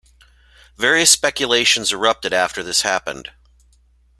Various speculations erupted after this happened.